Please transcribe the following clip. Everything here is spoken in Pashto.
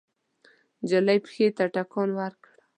نجلۍ پښې ته ټکان ورکړ.